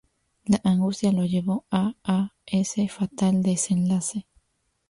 La angustia lo llevó a a ese fatal desenlace.